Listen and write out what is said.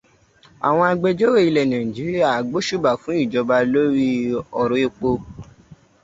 Àwọn agbejọ́rò ilẹ̀ Nàìjíríà gbóṣùbà fún ìjọba lórí ọ̀rọ̀ epo.